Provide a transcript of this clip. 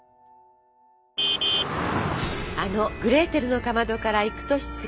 あの「グレーテルのかまど」から幾年月。